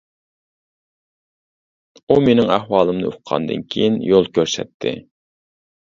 ئۇ مىنىڭ ئەھۋالىمنى ئۇققاندىن كىيىن يول كۆرسەتتى.